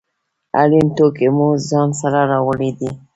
اړین توکي مو ځان سره راوړي وي.